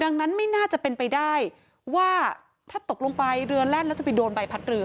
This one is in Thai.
ดังนั้นไม่น่าจะเป็นไปได้ว่าถ้าตกลงไปเรือแล่นแล้วจะไปโดนใบพัดเรือ